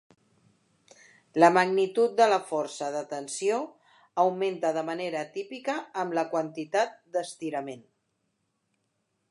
La magnitud de la força de tensió augmenta de manera típica amb la quantitat d'estirament.